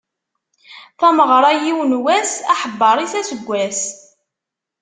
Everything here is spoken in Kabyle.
Tameɣra, yiwen wass, aḥebber-is aseggas.